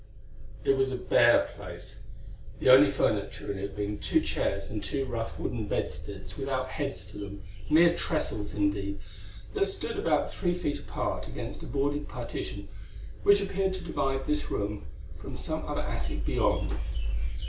It was a bare place, the only furniture in it being two chairs and two rough wooden bedsteads without heads to them, mere trestles indeed, that stood about three feet apart against a boarded partition which appeared to divide this room from some other attic beyond.